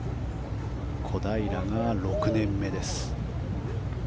小平が６年目です。